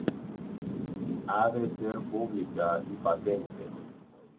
Ha de ser "pública y patente".